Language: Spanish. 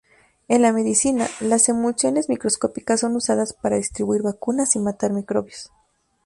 En la medicina, las emulsiones microscópicas son usadas para distribuir vacunas y matar microbios.